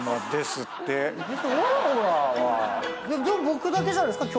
僕だけじゃないですか？